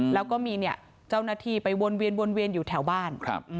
แล้วก็มีเนี่ยเจ้าหน้าที่ไปวนเวียนวนเวียนอยู่แถวบ้าน